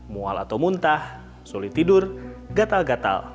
mual atau muntah sulit tidur gatal gatal